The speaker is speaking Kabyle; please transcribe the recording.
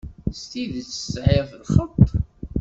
S tidet tesɛiḍ lxeṭṭ.